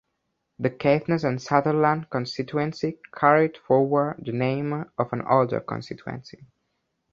The Caithness and Sutherland constituency carried forward the name of an older constituency.